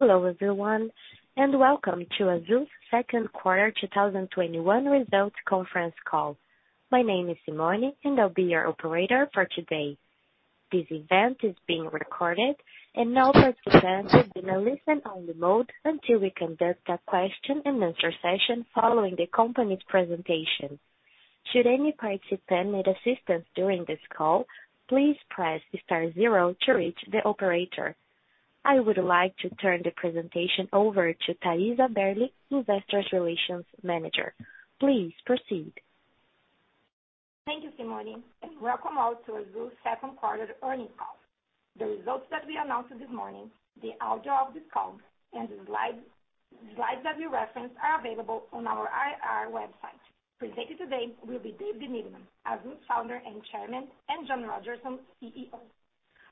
Hello everyone, and welcome to Azul's second quarter 2021 results conference call. My name is Simone, and I'll be your operator for today. This event is being recorded and all participants will be in listen-only mode until we conduct a question and answer session following the company's presentation. Should any participant need assistance during this call, please press star zero to reach the operator. I would like to turn the presentation over to Thais Haberli, Investor Relations Manager. Please proceed. Thank you, Simone, and welcome all to Azul's second quarter earnings call. The results that we announced this morning, the audio of this call, and the slides that we reference are available on our IR website. Presenting today will be David Neeleman, Azul's Founder and Chairman, and John Rodgerson, CEO,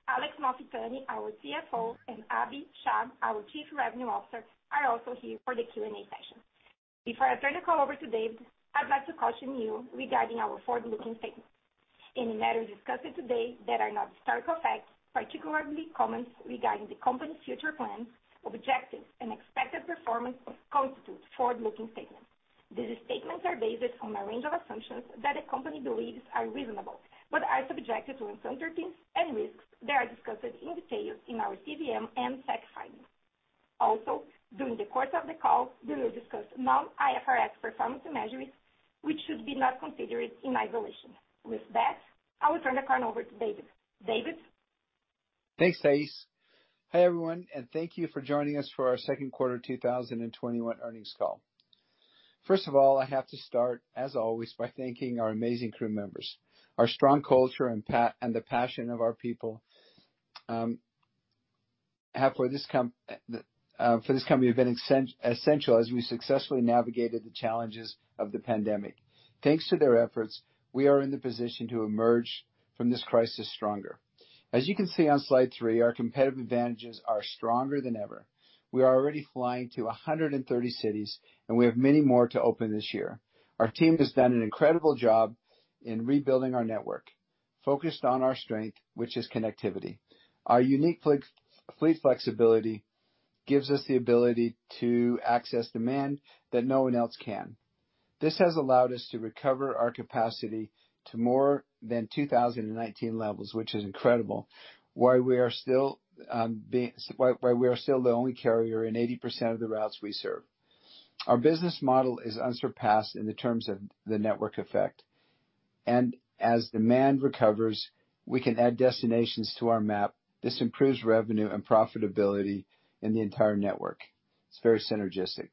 Alex Malfitani, our CFO, and Abhi Shah, our Chief Revenue Officer, are also here for the Q&A session. Before I turn the call over to Dave, I'd like to caution you regarding our forward-looking statements. Any matters discussed today that are not historical facts, particularly comments regarding the company's future plans, objectives, and expected performance constitute forward-looking statements. These statements are based on a range of assumptions that the company believes are reasonable, but are subjected to uncertainties and risks that are discussed in detail in our CVM and SEC filings. During the course of the call, we will discuss non-IFRS performance measures, which should be not considered in isolation. With that, I will turn the call over to David. David? Thanks, Thais. Hi everyone, thank you for joining us for our second quarter 2021 earnings call. First of all, I have to start, as always, by thanking our amazing crew members. Our strong culture and the passion of our people have, for this company, been essential as we successfully navigated the challenges of the pandemic. Thanks to their efforts, we are in the position to emerge from this crisis stronger. As you can see on slide three, our competitive advantages are stronger than ever. We are already flying to 130 cities, we have many more to open this year. Our team has done an incredible job in rebuilding our network, focused on our strength, which is connectivity. Our unique fleet flexibility gives us the ability to access demand that no one else can. This has allowed us to recover our capacity to more than 2019 levels, which is incredible. While we are still the only carrier in 80% of the routes we serve. Our business model is unsurpassed in the terms of the network effect. As demand recovers, we can add destinations to our map. This improves revenue and profitability in the entire network. It's very synergistic.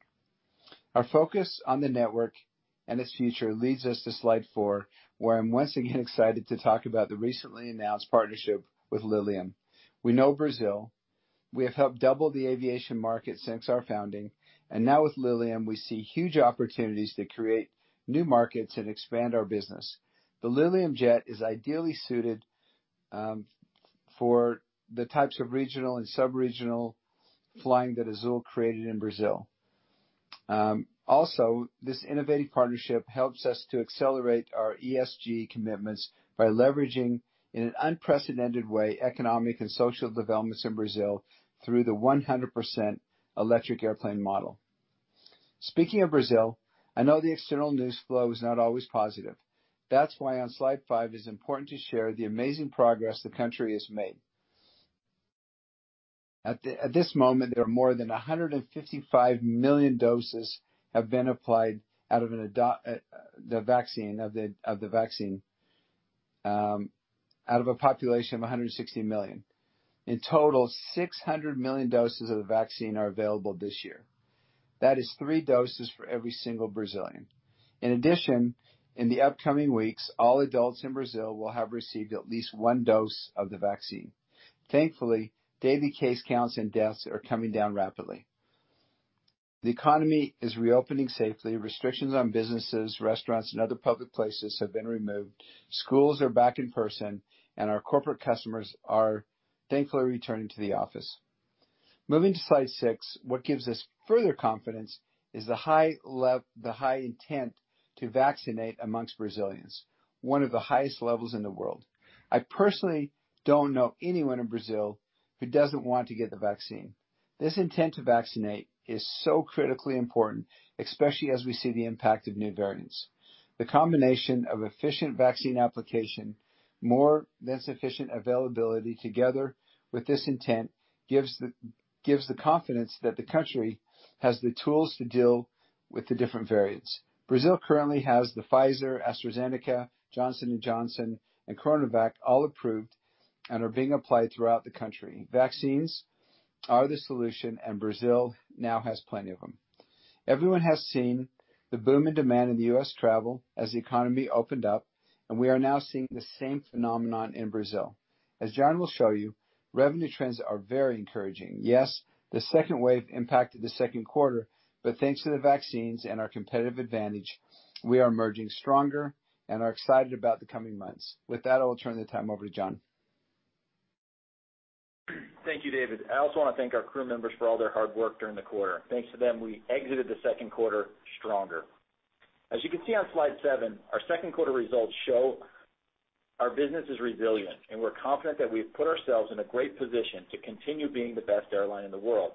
Our focus on the network and its future leads us to slide four, where I'm once again excited to talk about the recently announced partnership with Lilium. We know Brazil. We have helped double the aviation market since our founding, and now with Lilium, we see huge opportunities to create new markets and expand our business. The Lilium Jet is ideally suited for the types of regional and sub-regional flying that Azul created in Brazil. Also, this innovative partnership helps us to accelerate our ESG commitments by leveraging, in an unprecedented way, economic and social developments in Brazil through the 100% electric airplane model. Speaking of Brazil, I know the external news flow is not always positive. That's why on slide five it is important to share the amazing progress the country has made. At this moment, there are more than 155 million doses have been applied of the vaccine, out of a population of 160 million. In total, 600 million doses of the vaccine are available this year. That is three doses for every single Brazilian. In addition, in the upcoming weeks, all adults in Brazil will have received at least one dose of the vaccine. Thankfully, daily case counts and deaths are coming down rapidly. The economy is reopening safely. Restrictions on businesses, restaurants, and other public places have been removed. Schools are back in person. Our corporate customers are thankfully returning to the office. Moving to slide six, what gives us further confidence is the high intent to vaccinate amongst Brazilians, one of the highest levels in the world. I personally don't know anyone in Brazil who doesn't want to get the vaccine. This intent to vaccinate is so critically important, especially as we see the impact of new variants. The combination of efficient vaccine application, more than sufficient availability together with this intent, gives the confidence that the country has the tools to deal with the different variants. Brazil currently has the Pfizer, AstraZeneca, Johnson & Johnson, and CoronaVac all approved and are being applied throughout the country. Vaccines are the solution. Brazil now has plenty of them. Everyone has seen the boom in demand in the U.S. travel as the economy opened up, and we are now seeing the same phenomenon in Brazil. As John will show you, revenue trends are very encouraging. Yes, the second wave impacted the second quarter, but thanks to the vaccines and our competitive advantage, we are emerging stronger and are excited about the coming months. With that, I will turn the time over to John. Thank you, David. I also want to thank our crew members for all their hard work during the quarter. Thanks to them, we exited the second quarter stronger. As you can see on slide seven, our second quarter results show our business is resilient, and we're confident that we've put ourselves in a great position to continue being the best airline in the world.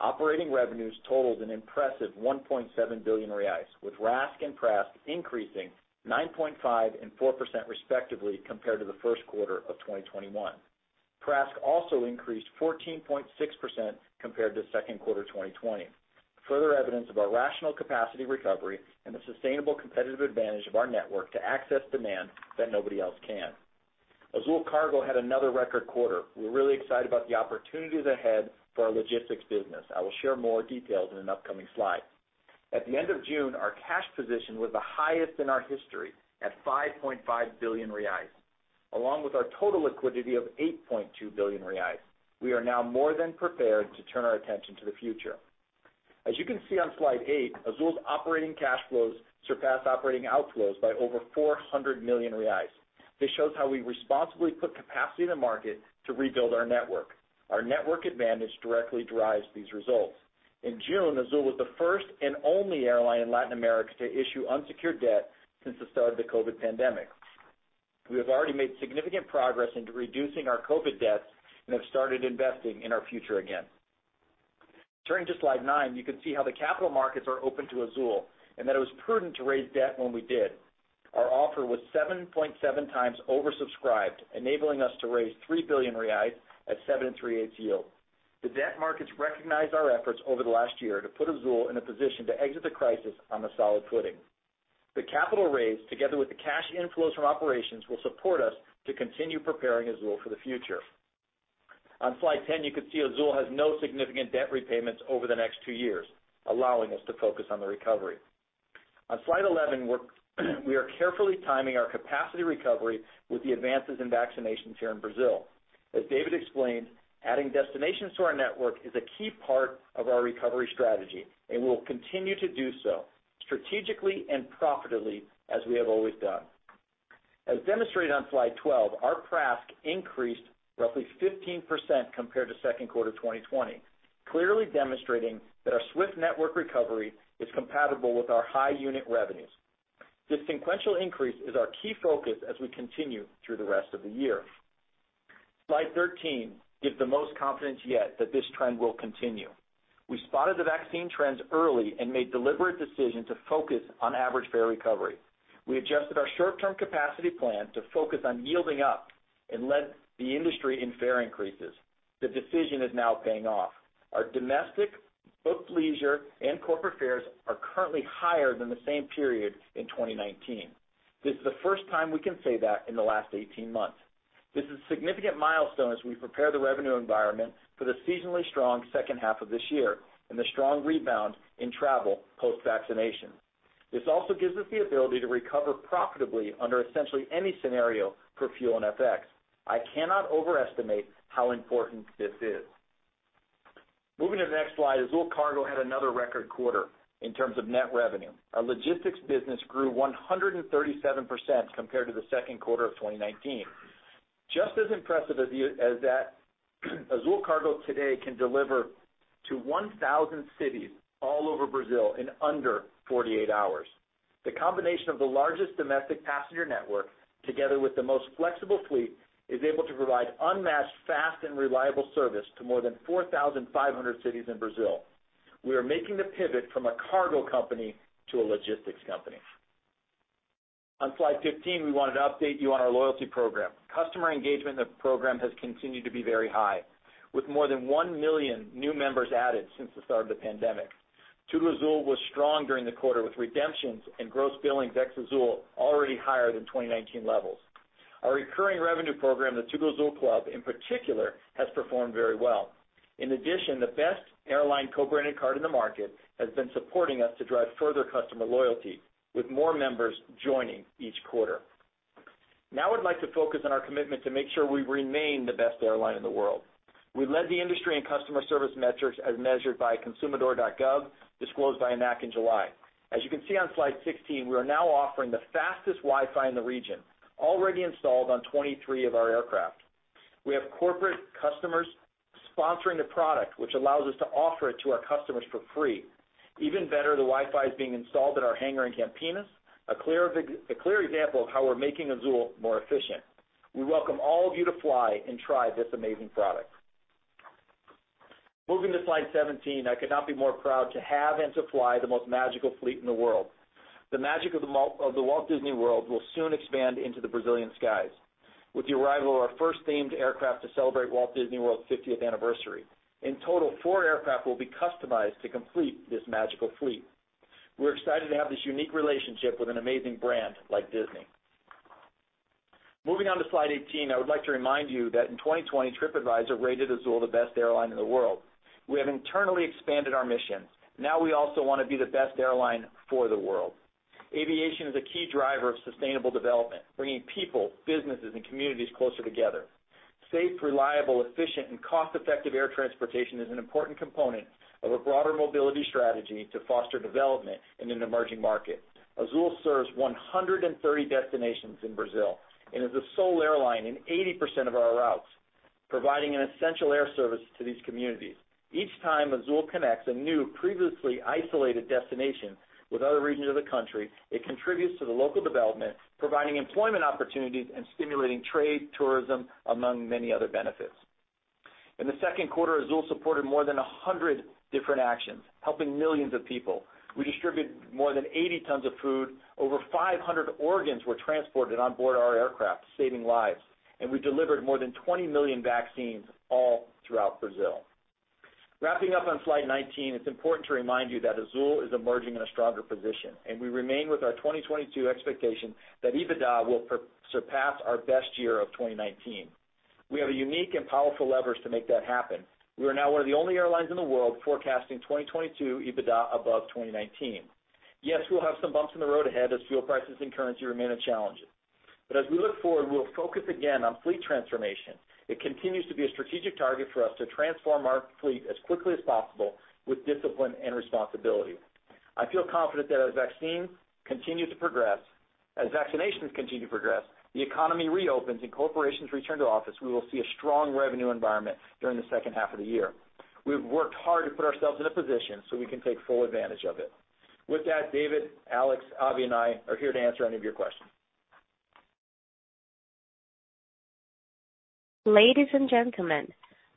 Operating revenues totaled an impressive 1.7 billion reais, with RASK and PRASK increasing 9.5% and 4% respectively compared to the first quarter of 2021. PRASK also increased 14.6% compared to second quarter 2020, further evidence of our rational capacity recovery and the sustainable competitive advantage of our network to access demand that nobody else can. Azul Cargo had another record quarter. We're really excited about the opportunities ahead for our logistics business. I will share more details in an upcoming slide. At the end of June, our cash position was the highest in our history, at 5.5 billion reais. Along with our total liquidity of 8.2 billion reais, we are now more than prepared to turn our attention to the future. As you can see on slide eight, Azul's operating cash flows surpassed operating outflows by over 400 million reais. This shows how we responsibly put capacity in the market to rebuild our network. Our network advantage directly drives these results. In June, Azul was the first and only airline in Latin America to issue unsecured debt since the start of the COVID pandemic. We have already made significant progress into reducing our COVID debts and have started investing in our future again. Turning to slide nine, you can see how the capital markets are open to Azul and that it was prudent to raise debt when we did. Our offer was 7.7x oversubscribed, enabling us to raise 3 billion reais at 7.38% yield. The debt markets recognized our efforts over the last year to put Azul in a position to exit the crisis on a solid footing. The capital raise, together with the cash inflows from operations, will support us to continue preparing Azul for the future. On slide 10, you can see Azul has no significant debt repayments over the next two years, allowing us to focus on the recovery. On slide 11, we are carefully timing our capacity recovery with the advances in vaccinations here in Brazil. As David explained, adding destinations to our network is a key part of our recovery strategy, and we'll continue to do so strategically and profitably, as we have always done. As demonstrated on slide 12, our PRASK increased roughly 15% compared to second quarter 2020, clearly demonstrating that our swift network recovery is compatible with our high unit revenues. This sequential increase is our key focus as we continue through the rest of the year. Slide 13 gives the most confidence yet that this trend will continue. We spotted the vaccine trends early and made deliberate decisions to focus on average fare recovery. We adjusted our short-term capacity plan to focus on yielding up and led the industry in fare increases. The decision is now paying off. Our domestic booked leisure and corporate fares are currently higher than the same period in 2019. This is the first time we can say that in the last 18 months. This is a significant milestone as we prepare the revenue environment for the seasonally strong second half of this year and the strong rebound in travel post-vaccination. This also gives us the ability to recover profitably under essentially any scenario for fuel and FX. I cannot overestimate how important this is. Moving to the next slide, Azul Cargo had another record quarter in terms of net revenue. Our logistics business grew 137% compared to the second quarter of 2019. Just as impressive as that, Azul Cargo today can deliver to 1,000 cities all over Brazil in under 48 hours. The combination of the largest domestic passenger network, together with the most flexible fleet, is able to provide unmatched, fast, and reliable service to more than 4,500 cities in Brazil. We are making the pivot from a cargo company to a logistics company. On slide 15, we wanted to update you on our loyalty program. Customer engagement in the program has continued to be very high, with more than one million new members added since the start of the pandemic. TudoAzul was strong during the quarter, with redemptions and gross billings ex Azul already higher than 2019 levels. Our recurring revenue program, the TudoAzul Club, in particular, has performed very well. In addition, the best airline co-branded card in the market has been supporting us to drive further customer loyalty, with more members joining each quarter. Now I'd like to focus on our commitment to make sure we remain the best airline in the world. We led the industry in customer service metrics as measured by Consumidor.gov.br, disclosed by ANAC in July. As you can see on slide 16, we are now offering the fastest Wi-Fi in the region, already installed on 23 of our aircraft. We have corporate customers sponsoring the product, which allows us to offer it to our customers for free. Even better, the Wi-Fi is being installed at our hangar in Campinas, a clear example of how we're making Azul more efficient. We welcome all of you to fly and try this amazing product. Moving to slide 17, I could not be more proud to have and to fly the most magical fleet in the world. The magic of the Walt Disney World will soon expand into the Brazilian skies with the arrival of our first themed aircraft to celebrate Walt Disney World's 50th anniversary. In total, four aircraft will be customized to complete this magical fleet. We're excited to have this unique relationship with an amazing brand like Disney. Moving on to slide 18, I would like to remind you that in 2020, Tripadvisor rated Azul the best airline in the world. We have internally expanded our mission. Now we also want to be the best airline for the world. Aviation is a key driver of sustainable development, bringing people, businesses, and communities closer together. Safe, reliable, efficient, and cost-effective air transportation is an important component of a broader mobility strategy to foster development in an emerging market. Azul serves 130 destinations in Brazil and is the sole airline in 80% of our routes. Providing an essential air service to these communities. Each time Azul connects a new, previously isolated destination with other regions of the country, it contributes to the local development, providing employment opportunities and stimulating trade, tourism, among many other benefits. In the second quarter, Azul supported more than 100 different actions, helping millions of people. We distributed more than 80 tons of food. Over 500 organs were transported on board our aircraft, saving lives, and we delivered more than 20 million vaccines all throughout Brazil. Wrapping up on slide 19, it's important to remind you that Azul is emerging in a stronger position, and we remain with our 2022 expectation that EBITDA will surpass our best year of 2019. We have a unique and powerful leverage to make that happen. We are now one of the only airlines in the world forecasting 2022 EBITDA above 2019. Yes, we'll have some bumps in the road ahead as fuel prices and currency remain a challenge. As we look forward, we'll focus again on fleet transformation. It continues to be a strategic target for us to transform our fleet as quickly as possible with discipline and responsibility. I feel confident that as vaccinations continue to progress, the economy reopens, and corporations return to office, we will see a strong revenue environment during the second half of the year. We've worked hard to put ourselves in a position so we can take full advantage of it. With that, David, Alex, Abhi, and I are here to answer any of your questions. Ladies and gentlemen,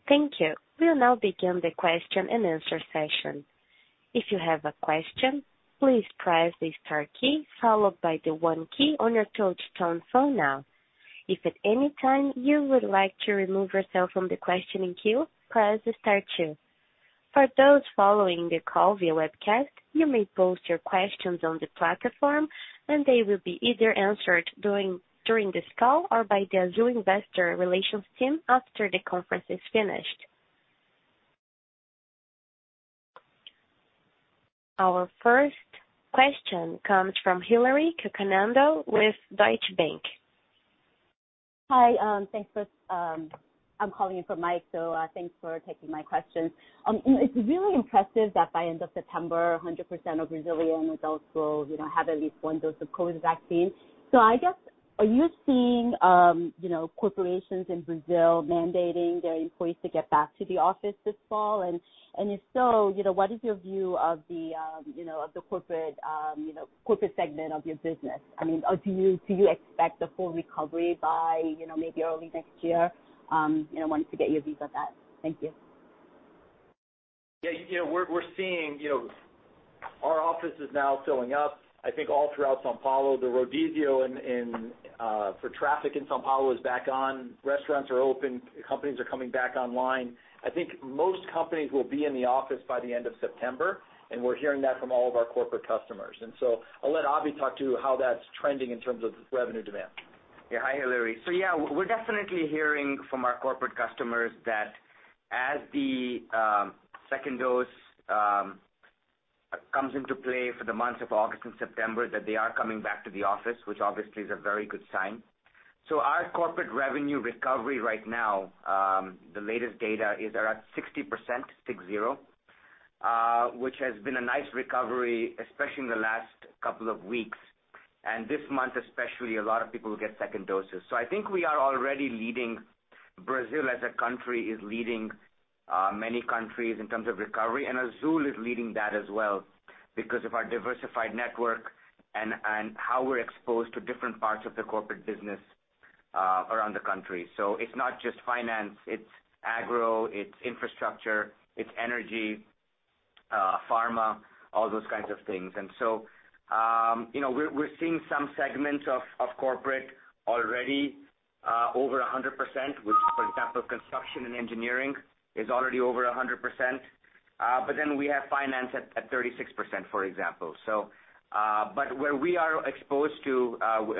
thank you. We'll now begin the question-and-answer session. If you have a question please press the star key followed by the one key on your touch-tone phone now. If at anytime you would like to remove yourself from the questioning queue press the section. For those following the call via webcast you may post your questions on the platform and they will be easier answered during this call or by the Investor Relations Team after the call is finished. Our first question comes from Hillary Cacanando with Deutsche Bank. Hi, I'm calling in for Mike. Thanks for taking my question. It's really impressive that by end of September, 100% of Brazilian adults will have at least one dose of COVID vaccine. I guess, are you seeing corporations in Brazil mandating their employees to get back to the office this fall? If so, what is your view of the corporate segment of your business? Do you expect a full recovery by maybe early next year? Wanted to get your views on that. Thank you. Yeah, we're seeing our offices now filling up. I think all throughout São Paulo, the rodizio for traffic in São Paulo is back on. Restaurants are open. Companies are coming back online. I think most companies will be in the office by the end of September, and we're hearing that from all of our corporate customers. I'll let Abhi talk to how that's trending in terms of revenue demand. Hi, Hillary. We're definitely hearing from our corporate customers that as the second dose comes into play for the months of August and September, that they are coming back to the office, which obviously is a very good sign. Our corporate revenue recovery right now, the latest data is around 60%, six zero, which has been a nice recovery, especially in the last couple of weeks. This month especially, a lot of people will get second doses. I think Brazil as a country is leading many countries in terms of recovery, and Azul is leading that as well because of our diversified network and how we're exposed to different parts of the corporate business around the country. It's not just finance, it's agro, it's infrastructure, it's energy, pharma, all those kinds of things. We're seeing some segments of corporate already over 100%, which, for example, construction and engineering is already over 100%. We have finance at 36%, for example. Where we are exposed to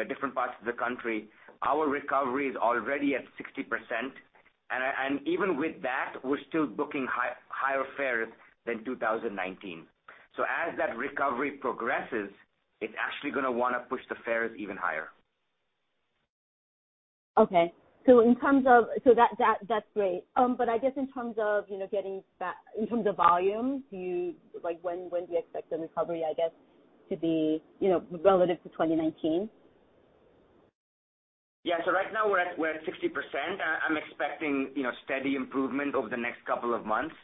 different parts of the country, our recovery is already at 60%, and even with that, we're still booking higher fares than 2019. As that recovery progresses, it's actually going to want to push the fares even higher. Okay. That's great. I guess in terms of volume, when do you expect the recovery, I guess, to be relative to 2019? Yeah. Right now we're at 60%. I'm expecting steady improvement over the next couple of months.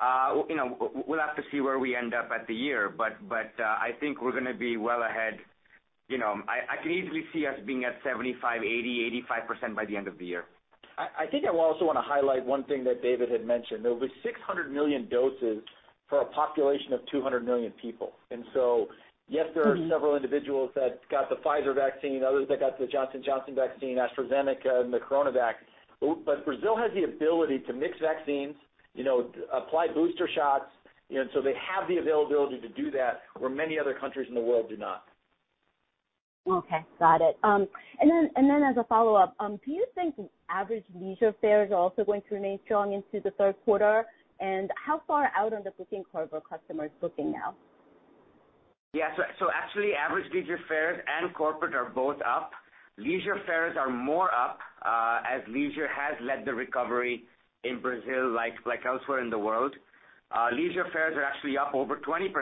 We'll have to see where we end up at the year, but I think we're going to be well ahead. I can easily see us being at 75%, 80%, 85% by the end of the year. I think I also want to highlight one thing that David had mentioned. There were 600 million doses for a population of 200 million people. Yes, there are several individuals that got the Pfizer vaccine, others that got the Johnson & Johnson vaccine, AstraZeneca, and the CoronaVac. Brazil has the ability to mix vaccines, apply booster shots. They have the availability to do that, where many other countries in the world do not. Okay, got it. As a follow-up, do you think average leisure fares are also going to remain strong into the third quarter? How far out on the booking curve are customers booking now? Yeah. Actually, average leisure fares and corporate are both up. Leisure fares are more up, as leisure has led the recovery in Brazil like elsewhere in the world. Leisure fares are actually up over 20%.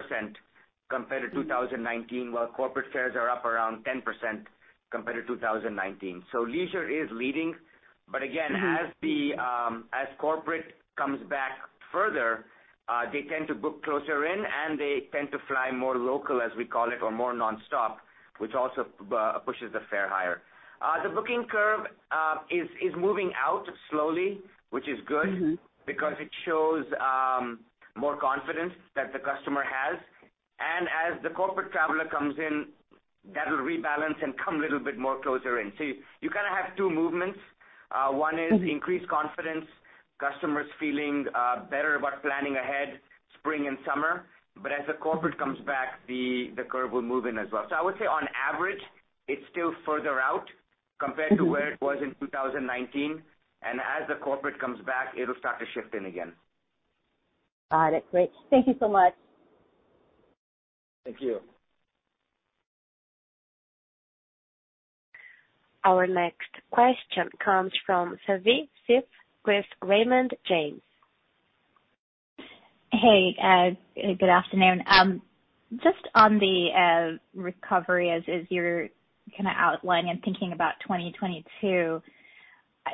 Compared to 2019, while corporate fares are up around 10% compared to 2019. Leisure is leading. Corporate comes back further, they tend to book closer in and they tend to fly more local, as we call it, or more nonstop, which also pushes the fare higher. The booking curve is moving out slowly, which is good, because it shows more confidence that the customer has. As the corporate traveler comes in, that'll rebalance and come a little bit more closer in. You kind of have two movements. One is increased confidence, customers feeling better about planning ahead, spring and summer. As the corporate comes back, the curve will move in as well. I would say on average, it's still further out compared to where it was in 2019. As the corporate comes back, it'll start to shift in again. Got it. Great. Thank you so much. Thank you. Our next question comes from Savi Syth with Raymond James. Hey, good afternoon. Just on the recovery as you're kind of outlining and thinking about 2022, I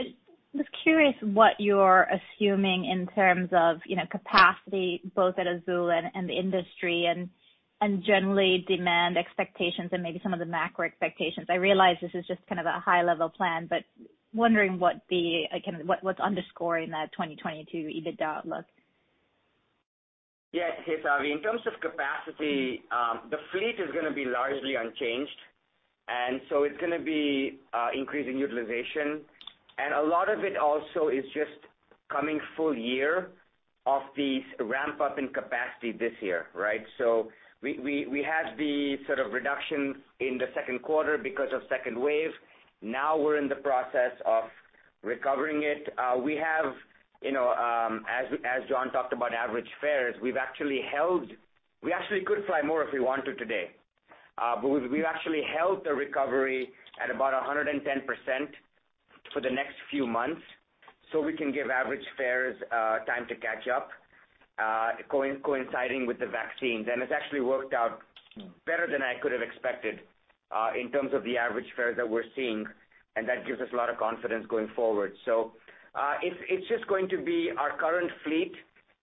was curious what you're assuming in terms of capacity, both at Azul and the industry and generally demand expectations and maybe some of the macro expectations? I realize this is just kind of a high level plan, but wondering what's underscoring that 2022 EBITDA outlook? Yeah. Okay, Savi. In terms of capacity, the fleet is going to be largely unchanged, and so it's going to be increasing utilization. A lot of it also is just coming full year of the ramp-up in capacity this year, right? We had the sort of reduction in the second quarter because of second wave. Now we're in the process of recovering it. As John talked about average fares, we actually could fly more if we wanted today. We've actually held the recovery at about 110% for the next few months so we can give average fares time to catch up coinciding with the vaccines. It's actually worked out better than I could have expected in terms of the average fares that we're seeing, and that gives us a lot of confidence going forward. It's just going to be our current fleet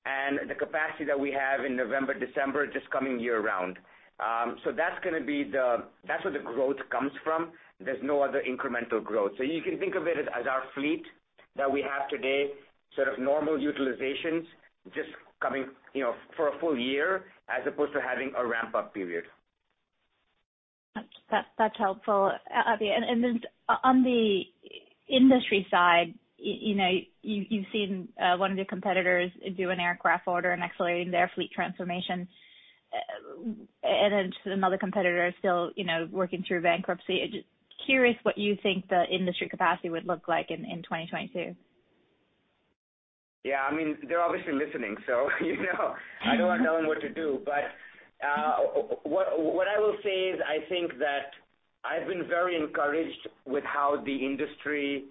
and the capacity that we have in November, December, just coming year round. That's where the growth comes from. There's no other incremental growth. You can think of it as our fleet that we have today, sort of normal utilizations just coming for a full year as opposed to having a ramp-up period. That's helpful, Abhi. On the industry side, you've seen one of your competitors do an aircraft order and accelerating their fleet transformation, and then another competitor is still working through bankruptcy. Curious what you think the industry capacity would look like in 2022? Yeah, they're obviously listening, so I don't want to tell them what to do. What I will say is, I think that I've been very encouraged with how the industry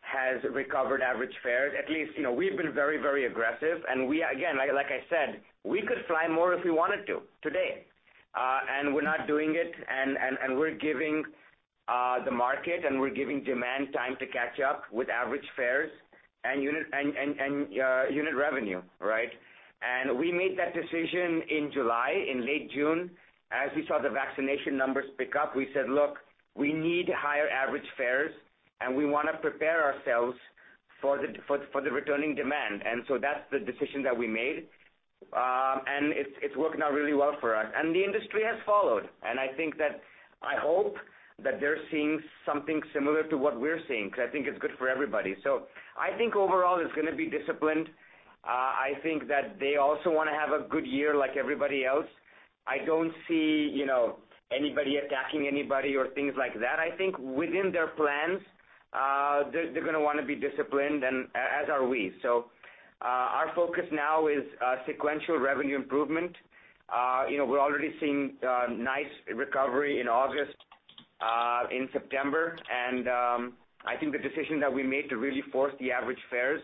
has recovered average fares. At least, we've been very aggressive, and again, like I said, we could fly more if we wanted to today, and we're not doing it. We're giving the market and we're giving demand time to catch up with average fares and unit revenue, right? We made that decision in July, in late June. As we saw the vaccination numbers pick up, we said, "Look, we need higher average fares, and we want to prepare ourselves for the returning demand." That's the decision that we made, and it's working out really well for us. The industry has followed. I hope that they're seeing something similar to what we're seeing, because I think it's good for everybody. I think overall it's going to be disciplined. I think that they also want to have a good year like everybody else. I don't see anybody attacking anybody or things like that. I think within their plans, they're going to want to be disciplined, and as are we. Our focus now is sequential revenue improvement. We're already seeing nice recovery in August, in September. I think the decision that we made to really force the average fares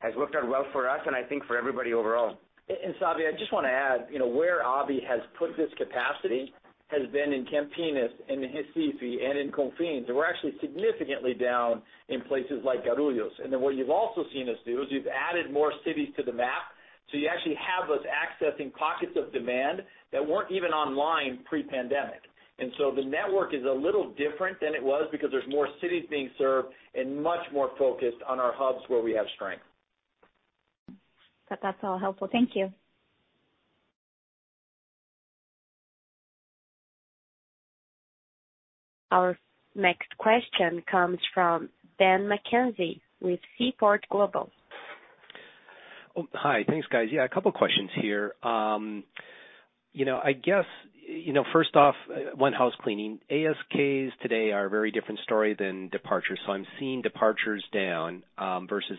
has worked out well for us and I think for everybody overall. Savi, I just want to add, where Abhi has put this capacity has been in Campinas, in Recife, and in Confins. We're actually significantly down in places like Guarulhos. What you've also seen us do is we've added more cities to the map. You actually have us accessing pockets of demand that weren't even online pre-pandemic. The network is a little different than it was because there's more cities being served and much more focused on our hubs where we have strength. That's all helpful. Thank you. Our next question comes from Dan McKenzie with Seaport Global. Hi. Thanks, guys. A couple of questions here. I guess, first off, one housecleaning. ASKs today are a very different story than departures. I'm seeing departures down versus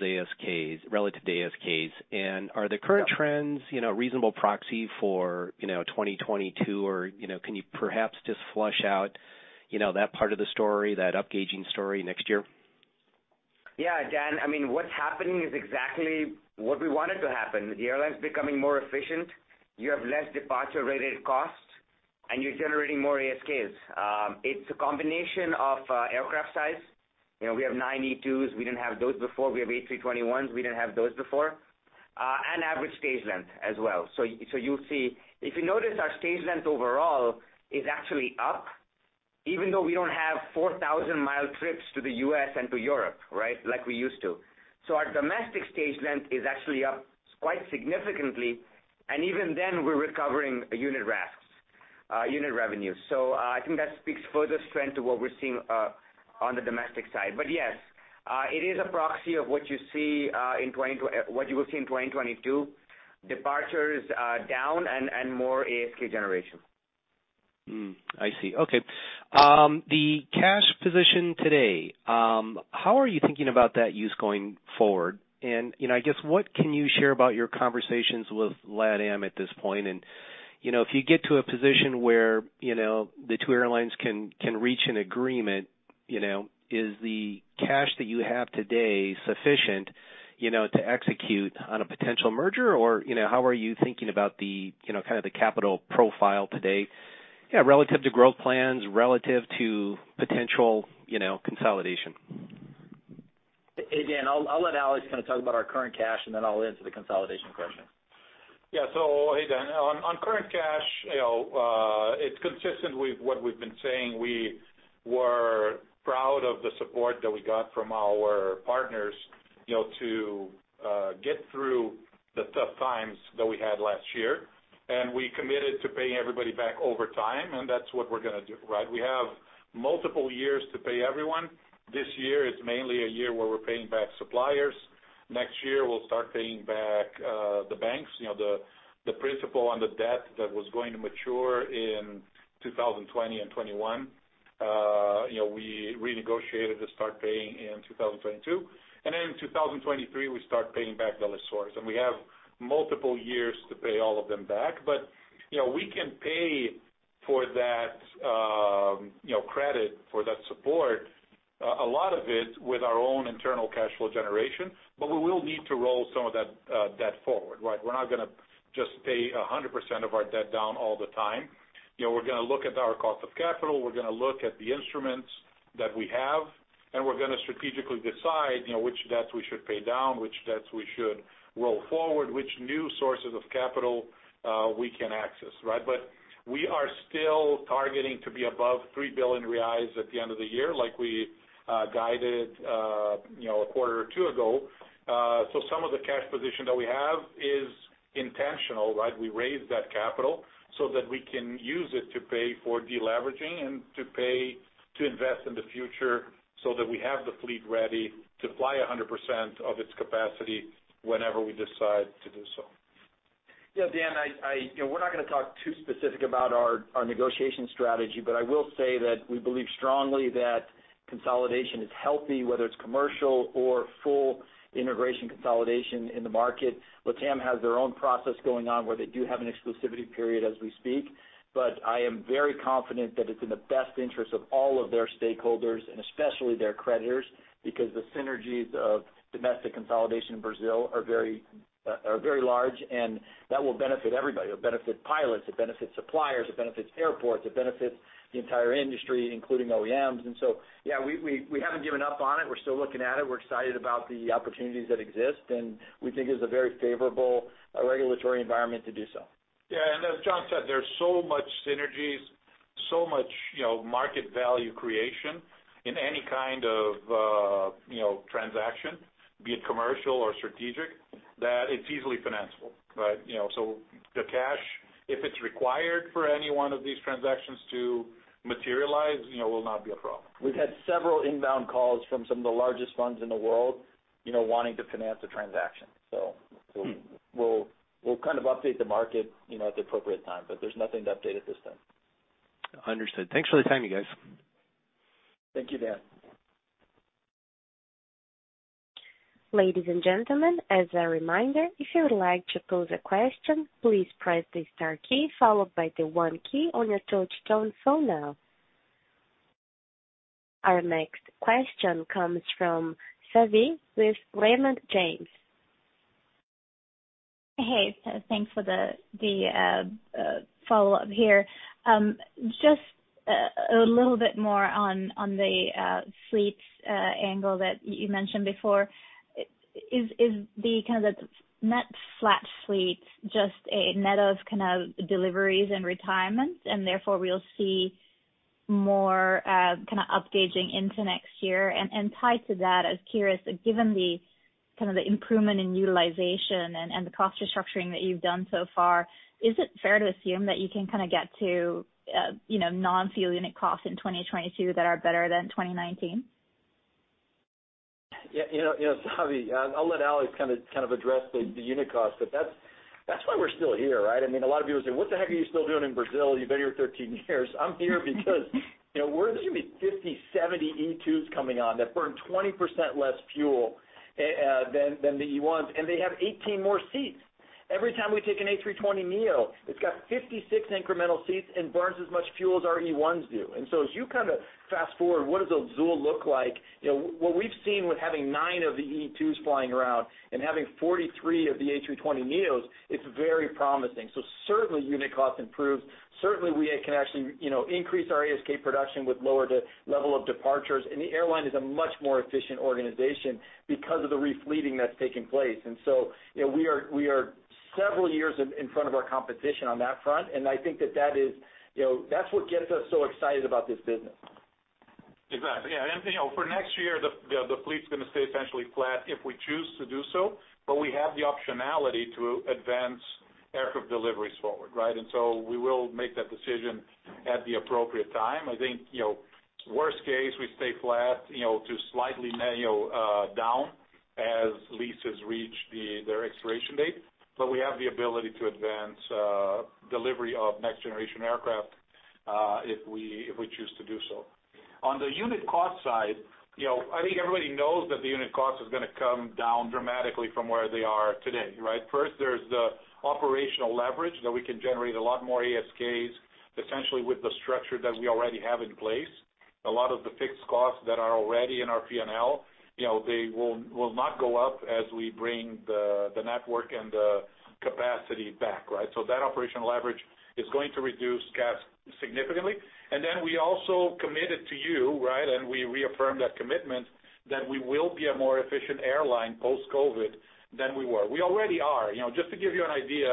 relative ASKs. Are the current trends reasonable proxy for 2022, or can you perhaps just flesh out that part of the story, that up gauging story next year? Dan, what's happening is exactly what we wanted to happen. The airline's becoming more efficient. You have less departure-related costs, and you're generating more ASKs. It's a combination of aircraft size. We have nine E2s. We didn't have those before. We have A321s. We didn't have those before. Average stage length as well. If you notice, our stage length overall is actually up, even though we don't have 4,000 mi trips to the U.S. and to Europe, like we used to. Our domestic stage length is actually up quite significantly, and even then we're recovering unit RASK, unit revenue. I think that speaks further strength to what we're seeing on the domestic side. Yes, it is a proxy of what you will see in 2022, departures down and more ASK generation. Hmm. I see. Okay. The cash position today, how are you thinking about that use going forward? I guess what can you share about your conversations with LATAM at this point? If you get to a position where the two airlines can reach an agreement, is the cash that you have today sufficient to execute on a potential merger? How are you thinking about the capital profile today relative to growth plans, relative to potential consolidation? Hey, Dan, I'll let Alex kind of talk about our current cash, and then I'll answer the consolidation question. Yeah. Hey, Dan. On current cash, it's consistent with what we've been saying. We were proud of the support that we got from our partners to get through the tough times that we had last year. We committed to paying everybody back over time, and that's what we're going to do. We have multiple years to pay everyone. This year is mainly a year where we're paying back suppliers. Next year, we'll start paying back the banks. The principal on the debt that was going to mature in 2020 and 2021, we renegotiated to start paying in 2022. In 2023, we start paying back lessors. We have multiple years to pay all of them back. We can pay for that credit, for that support, a lot of it with our own internal cash flow generation, but we will need to roll some of that debt forward. We're not going to just pay 100% of our debt down all the time. We're going to look at our cost of capital. We're going to look at the instruments that we have, and we're going to strategically decide which debts we should pay down, which debts we should roll forward, which new sources of capital we can access. We are still targeting to be above 3 billion reais at the end of the year, like we guided a quarter or two ago. Some of the cash position that we have is intentional. We raised that capital so that we can use it to pay for de-leveraging and to pay to invest in the future so that we have the fleet ready to fly 100% of its capacity whenever we decide to do so. Dan, we're not going to talk too specific about our negotiation strategy, but I will say that we believe strongly that consolidation is healthy, whether it's commercial or full integration consolidation in the market. LATAM has their own process going on where they do have an exclusivity period as we speak. I am very confident that it's in the best interest of all of their stakeholders, and especially their creditors, because the synergies of domestic consolidation in Brazil are very large, and that will benefit everybody. It'll benefit pilots. It benefits suppliers. It benefits airports. It benefits the entire industry, including OEMs. We haven't given up on it. We're still looking at it. We're excited about the opportunities that exist, and we think it's a very favorable regulatory environment to do so. Yeah. As John said, there's so much synergies, so much market value creation in any kind of transaction, be it commercial or strategic, that it's easily financeable. The cash, if it's required for any one of these transactions to materialize, will not be a problem. We've had several inbound calls from some of the largest funds in the world wanting to finance a transaction. We'll update the market at the appropriate time. There's nothing to update at this time. Understood. Thanks for the time, you guys. Thank you, Dan. Ladies and gentlemen, as a reminder, if you would like to pose a question, please press the star key followed by the on e key on your touchtone phone now. Our next question comes from Savi with Raymond James. Hey. Thanks for the follow-up here. Just a little bit more on the fleets angle that you mentioned before. Is the kind of the net flat fleets just a net of kind of deliveries and retirements, and therefore we'll see more kind of up gauging into next year? Tied to that, I was curious, given the improvement in utilization and the cost restructuring that you've done so far, is it fair to assume that you can kind of get to non-fuel unit costs in 2022 that are better than 2019? Yeah. Savi, I'll let Alex kind of address the unit cost. That's why we're still here, right? A lot of people say, "What the heck are you still doing in Brazil? You've been here 13 years." I'm here because there's going to be 50, 70 E2s coming on that burn 20% less fuel than the E1s. They have 18 more seats. Every time we take an A320neo, it's got 56 incremental seats, burns as much fuel as our E1s do. As you kind of fast-forward what does Azul look like, what we've seen with having nine of the E2s flying around and having 43 of the A320neos, it's very promising. Certainly unit cost improves. Certainly, we can actually increase our ASK production with lower level of departures. The airline is a much more efficient organization because of the re-fleeting that's taking place. We are several years in front of our competition on that front, and I think that's what gets us so excited about this business. Exactly. Yeah. For next year, the fleet's going to stay essentially flat if we choose to do so, but we have the optionality to advance aircraft deliveries forward. We will make that decision at the appropriate time. I think, worst case, we stay flat to slightly down as leases reach their expiration date. We have the ability to advance delivery of next-generation aircraft if we choose to do so. On the unit cost side, I think everybody knows that the unit cost is going to come down dramatically from where they are today. First, there's the operational leverage that we can generate a lot more ASKs, essentially with the structure that we already have in place. A lot of the fixed costs that are already in our P&L, they will not go up as we bring the network and the capacity back. That operational leverage is going to reduce CASM significantly. We also committed to you, right, and we reaffirm that commitment that we will be a more efficient airline post-COVID than we were. We already are. Just to give you an idea,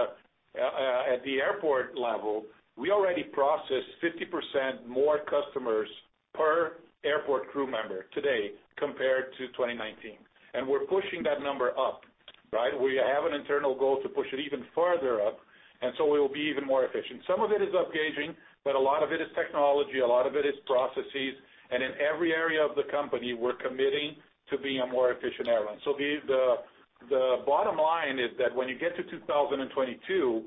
at the airport level, we already process 50% more customers per airport crew member today compared to 2019. We're pushing that number up. Right? We have an internal goal to push it even further up, we will be even more efficient. Some of it is up gauging, a lot of it is technology, a lot of it is processes, in every area of the company, we're committing to being a more efficient airline. The bottom line is that when you get to 2022,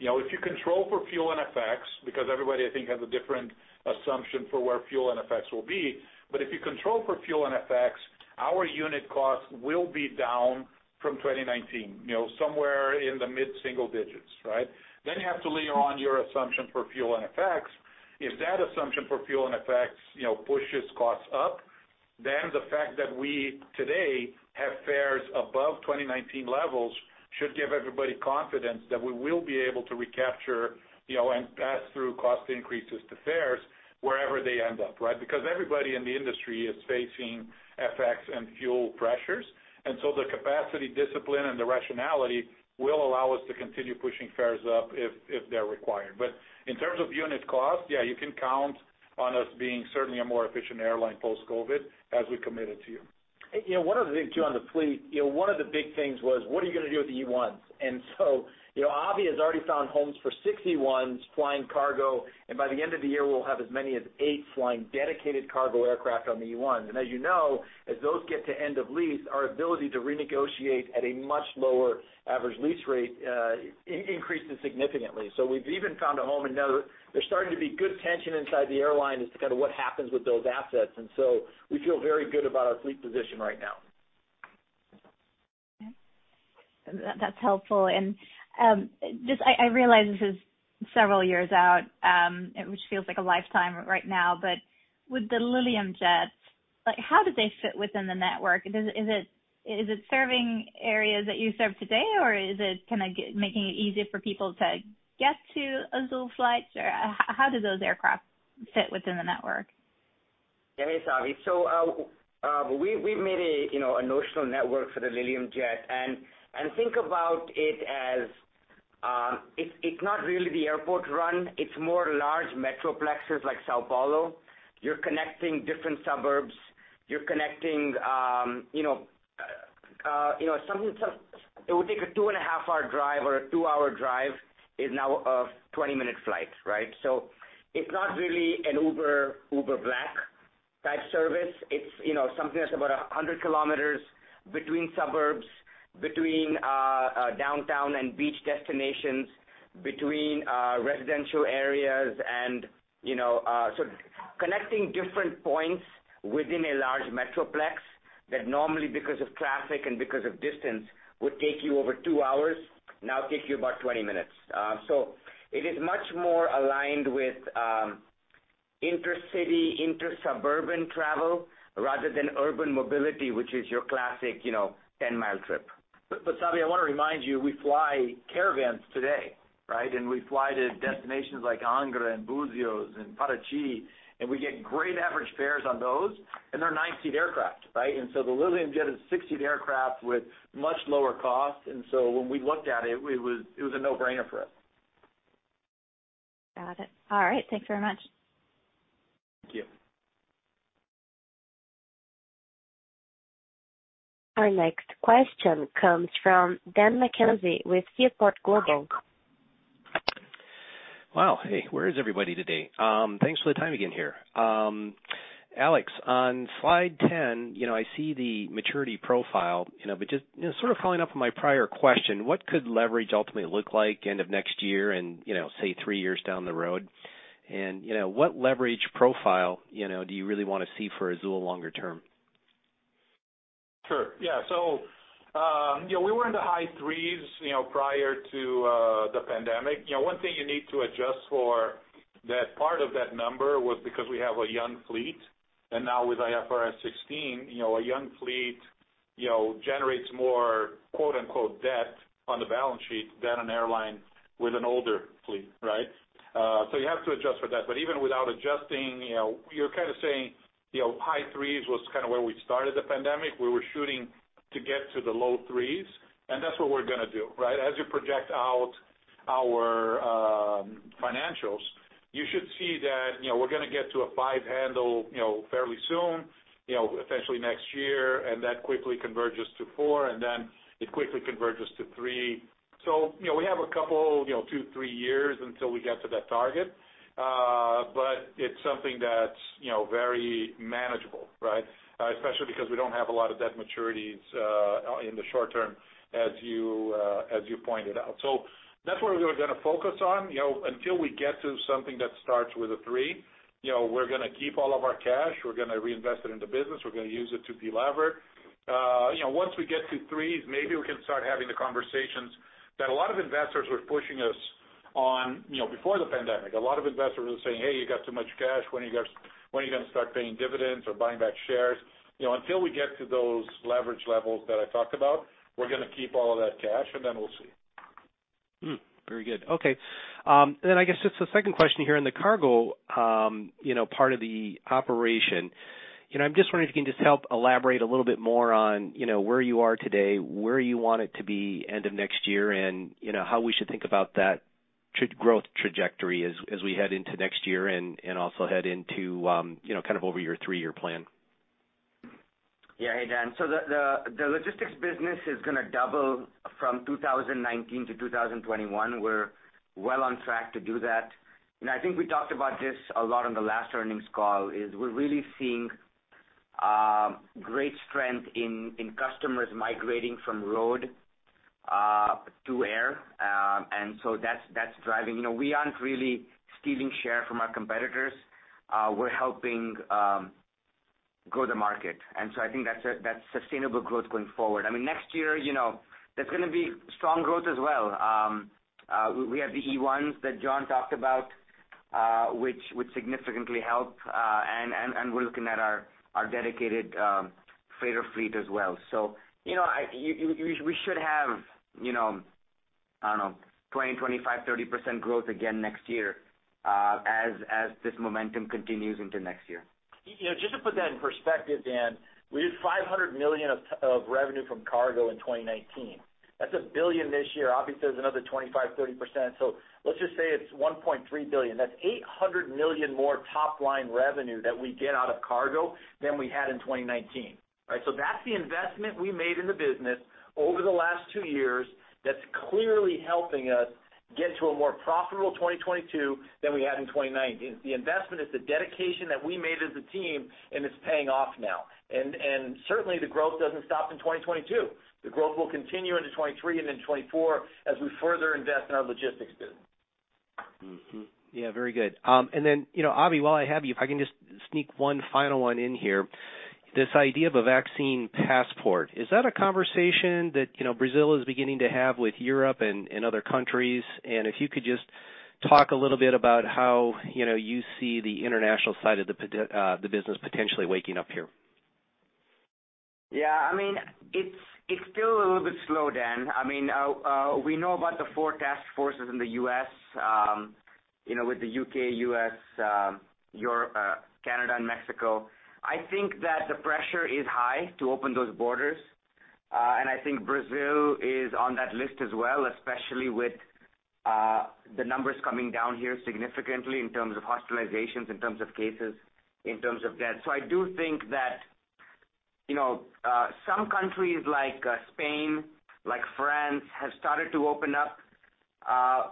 if you control for fuel and FX, because everybody, I think, has a different assumption for where fuel and FX will be, but if you control for fuel and FX, our unit cost will be down from 2019, somewhere in the mid-single digits. Right? You have to layer on your assumption for fuel and FX. If that assumption for fuel and FX pushes costs up, then the fact that we today have fares above 2019 levels should give everybody confidence that we will be able to recapture and pass through cost increases to fares wherever they end up. Right? Everybody in the industry is facing FX and fuel pressures, and so the capacity discipline and the rationality will allow us to continue pushing fares up if they're required. In terms of unit cost, yeah, you can count on us being certainly a more efficient airline post-COVID, as we committed to you. One of the things, too, on the fleet, one of the big things was what are you going to do with the E1s? Has already found homes for six E1s flying cargo, by the end of the year, we'll have as many as eight flying dedicated cargo aircraft on the E1s. As you know, as those get to end of lease, our ability to renegotiate at a much lower average lease rate increases significantly. We've even found a home in there. There's starting to be good tension inside the airline as to kind of what happens with those assets. We feel very good about our fleet position right now. Okay. That's helpful. I realize this is several years out, which feels like a lifetime right now, but with the Lilium Jets, how do they fit within the network? Is it serving areas that you serve today, or is it making it easier for people to get to Azul flights? How do those aircraft fit within the network? Yeah, this is Abhi. We've made a notional network for the Lilium Jet, and think about it as it's not really the airport run, it's more large metroplexes like São Paulo. You're connecting different suburbs. It would take a two and a half hour drive or a two hour drive is now a 20-minute flight. Right? It's not really an Uber Black type service. It's something that's about 100 km between suburbs, between downtown and beach destinations, between residential areas. Connecting different points within a large metroplex that normally because of traffic and because of distance would take you over two hours, now take you about 20 minutes. It is much more aligned with intercity, inter-suburban travel rather than urban mobility, which is your classic 10 mi trip. Savi, I want to remind you, we fly Caravans today, right? We fly to destinations like Angra and Buzios and Paraty, and we get great average fares on those, and they're nine-seat aircraft. Right? The Lilium Jet is a six-seat aircraft with much lower cost. When we looked at it was a no-brainer for us. Got it. All right. Thanks very much. Our next question comes from Dan McKenzie with Seaport Global. Wow. Hey, where is everybody today? Thanks for the time again here. Alex, on slide 10, I see the maturity profile, but just sort of following up on my prior question, what could leverage ultimately look like end of next year and, say three years down the road? What leverage profile do you really want to see for Azul longer term? Sure. Yeah. We were in the high threes prior to the pandemic. One thing you need to adjust for that part of that number was because we have a young fleet, and now with IFRS 16, a young fleet generates more "debt" on the balance sheet than an airline with an older fleet, right. You have to adjust for that. But even without adjusting, you're kind of saying, high threes was kind of where we started the pandemic. We were shooting to get to the low threes, and that's what we're going to do. As you project out our financials, you should see that we're going to get to a five handle fairly soon, essentially next year, and that quickly converges to four, and then it quickly converges to three. We have a couple, two, three years until we get to that target. It's something that's very manageable, right? Especially because we don't have a lot of debt maturities in the short term, as you pointed out. That's where we are going to focus on. Until we get to something that starts with a three, we're going to keep all of our cash. We're going to reinvest it in the business. We're going to use it to de-lever. Once we get to 3s, maybe we can start having the conversations that a lot of investors were pushing us on before the pandemic. A lot of investors were saying, "Hey, you got too much cash. When are you going to start paying dividends or buying back shares?" Until we get to those leverage levels that I talked about, we're going to keep all of that cash, and then we'll see. Very good. Okay. I guess just the second question here in the cargo part of the operation. I'm just wondering if you can just help elaborate a little bit more on where you are today, where you want it to be end of next year, and how we should think about that growth trajectory as we head into next year and also head into kind of over your three-year plan. Yeah. Hey, Dan. The logistics business is going to double from 2019 to 2021. We're well on track to do that. I think we talked about this a lot on the last earnings call, is we're really seeing great strength in customers migrating from road to air. That's driving. We aren't really stealing share from our competitors. We're helping grow the market. I think that's sustainable growth going forward. Next year, there's going to be strong growth as well. We have the E1s that John talked about, which would significantly help, and we're looking at our dedicated freighter fleet as well. We should have, I don't know, 20%, 25%, 30% growth again next year as this momentum continues into next year. Just to put that in perspective, Dan, we did 500 million of revenue from cargo in 2019. That's 1 billion this year. Obviously, there's another 25%-30%. Let's just say it's 1.3 billion. That's 800 million more top-line revenue that we get out of cargo than we had in 2019. That's the investment we made in the business over the last two years that's clearly helping us get to a more profitable 2022 than we had in 2019. It's the investment, it's the dedication that we made as a team, it's paying off now. Certainly, the growth doesn't stop in 2022. The growth will continue into 2023 and then 2024 as we further invest in our logistics business. Yeah. Very good. Abhi, while I have you, if I can just sneak one final one in here. This idea of a vaccine passport, is that a conversation that Brazil is beginning to have with Europe and other countries? If you could just talk a little bit about how you see the international side of the business potentially waking up here. It's still a little bit slow, Dan. We know about the four task forces in the U.S., with the U.K., U.S., Canada, and Mexico. I think that the pressure is high to open those borders. I think Brazil is on that list as well, especially with the numbers coming down here significantly in terms of hospitalizations, in terms of cases, in terms of death. I do think that some countries like Spain, like France, have started to open up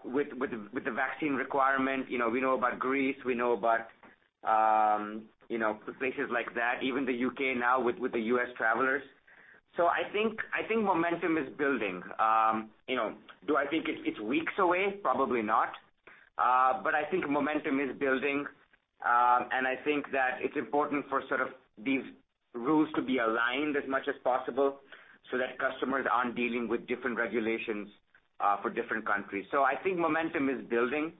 with the vaccine requirement. We know about Greece, we know about places like that, even the U.K. now with the U.S. travelers. I think momentum is building. Do I think it's weeks away? Probably not. I think momentum is building, and I think that it's important for sort of these rules to be aligned as much as possible so that customers aren't dealing with different regulations for different countries. I think momentum is building,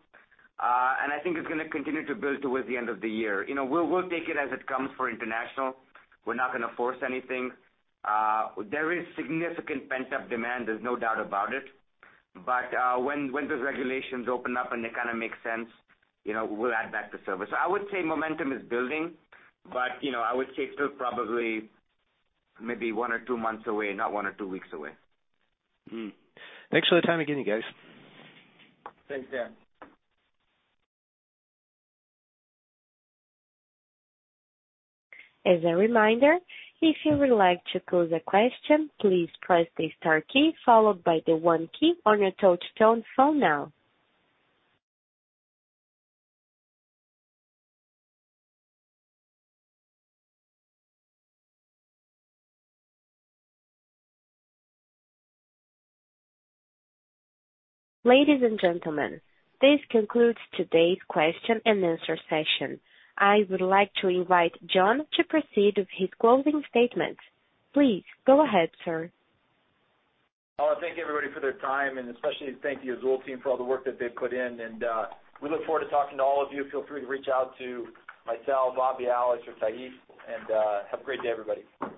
and I think it's going to continue to build towards the end of the year. We'll take it as it comes for international. We're not going to force anything. There is significant pent-up demand, there's no doubt about it. When those regulations open up and they kind of make sense, we'll add back the service. I would say momentum is building, but I would say it's still probably maybe one or two months away, not one or two weeks away. Thanks for the time again, you guys. Thanks, Dan. As a reminder, if you would like to pose a question, please press the star key followed by the one key on your touch-tone phone now. Ladies and gentlemen, this concludes today's question and answer session. I would like to invite John to proceed with his closing statements. Please go ahead, sir. I want to thank everybody for their time, and especially thank the Azul team for all the work that they've put in, and we look forward to talking to all of you. Feel free to reach out to myself, Abhi, Alex, or Thais, and have a great day, everybody.